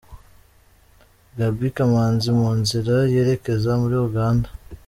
Gaby Kamanzi mu nzira yerekeza muri Uganda.